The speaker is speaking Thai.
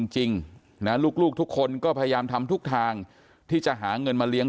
จริงนะลูกทุกคนก็พยายามทำทุกทางที่จะหาเงินมาเลี้ยง